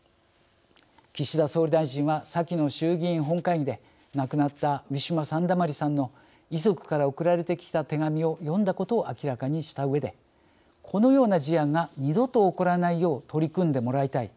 岸田総理大臣は先の衆議院本会議で亡くなったウィシュマ・サンダマリさんの遺族から送られてきた手紙を読んだことを明らかにしたうえで「このような事案が二度と起こらないよう取り組んでもらいたい。